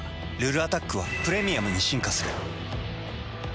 「ルルアタック」は「プレミアム」に進化する。